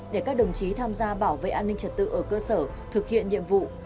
để các đồng chí tham gia bảo vệ an ninh trật tự ở cơ sở thực hiện nhiệm vụ